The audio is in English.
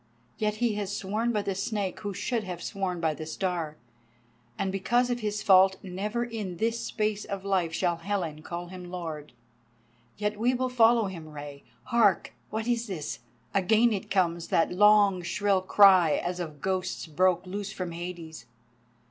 Yet has he sworn by the Snake who should have sworn by the Star, and because of his fault never in this space of life shall Helen call him Lord. Yet will we follow him, Rei. Hark! what is that? Again it comes, that long shrill cry as of ghosts broke loose from Hades."